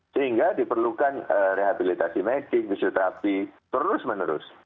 sehingga diperlukan rehabilitasi medik fisioterapi terus menerus